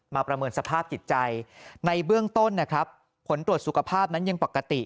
ประเมินสภาพจิตใจในเบื้องต้นนะครับผลตรวจสุขภาพนั้นยังปกติ